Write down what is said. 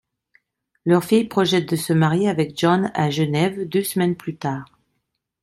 Leur fille projette de se marier avec John à Genève deux semaines plus tard.